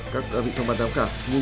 các vị trong ban giám khảo